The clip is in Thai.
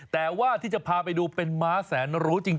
แต่ว่าที่จะพาไปดูเป็นม้าแสนรู้จริง